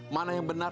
mana yang benar